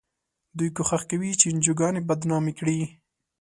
دوی کوښښ کوي چې انجوګانې بدنامې کړي.